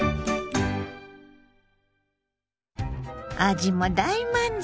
味も大満足！